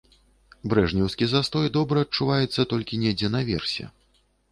Брэжнеўскі застой добра адчуваецца толькі недзе наверсе.